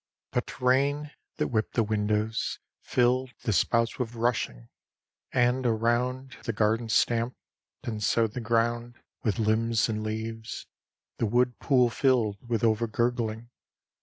But rain, that whipped the windows; filled The spouts with rushing; and around The garden stamped, and sowed the ground With limbs and leaves; the wood pool filled With overgurgling.